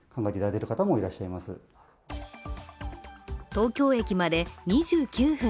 東京駅まで２９分。